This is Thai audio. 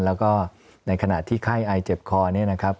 แล้วก็ในขณะที่ไข้อายเจ็บคอเนี่ยนะครับ